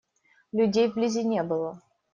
Людей вблизи не было.